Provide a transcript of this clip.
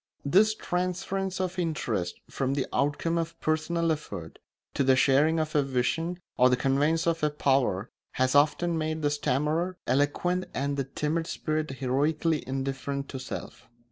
This transference of interest from the outcome of a personal effort to the sharing of a vision or the conveyance of a power has often made the stammerer eloquent and the timid spirit heroically indifferent to self.